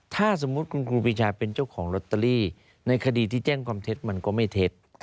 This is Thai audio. ถ้าสมมุติคุณครูปีชาเป็นเจ้าของลอตเตอรี่ในคดีที่แจ้งความเท็จมันก็ไม่เท็จ